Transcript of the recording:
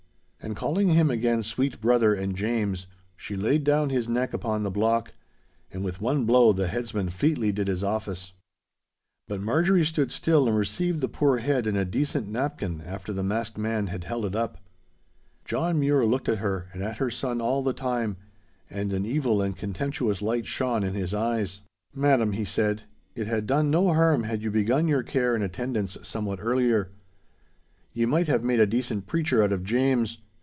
And calling him again 'sweet brother' and 'James,' she laid down his neck upon the block, and with one blow the headsman featly did his office. But Marjorie stood still and received the poor head in a decent napkin after the masked man had held it up. John Mure looked at her and at her son all the time, and an evil and contemptuous light shone in his eyes. 'Madam,' he said, 'it had done no harm had you begun your care and attendance somewhat earlier. Ye might have made a decent preacher out of James.